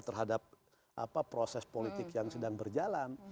terhadap proses politik yang sedang berjalan